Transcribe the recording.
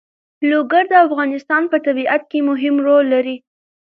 لوگر د افغانستان په طبیعت کې مهم رول لري.